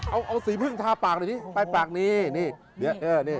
เอาสีเพิ่งทาปากนะเนี่ย